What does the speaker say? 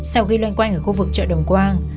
sau khi loanh quanh ở khu vực chợ đồng quang